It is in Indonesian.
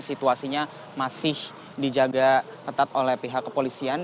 situasinya masih dijaga ketat oleh pihak kepolisian